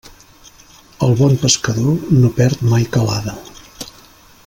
El bon pescador no perd mai calada.